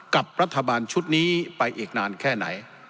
กับรัฐบาลชุดนี้ไปอีกนานแค่ไหน